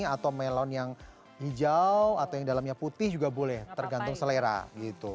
atau melon yang hijau atau yang dalamnya putih juga boleh tergantung selera gitu